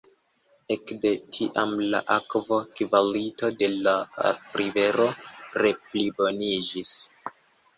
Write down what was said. Ek de tiam la akvo-kvalito de la rivero re-pliboniĝis.